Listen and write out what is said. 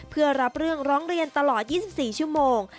เพื่อรับเรื่องร้องเรียนตลอด๒๔ชั่วโมง